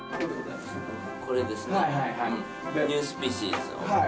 これですか。